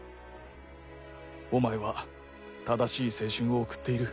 お前は正しい青春を送っている。